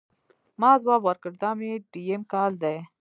ما ځواب ورکړ، دا مې درېیم کال دی.